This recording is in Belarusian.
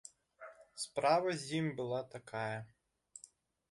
Справа з ім была такая.